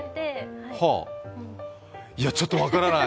はあいや、ちょっと分からない、